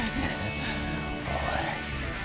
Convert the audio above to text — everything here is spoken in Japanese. おい。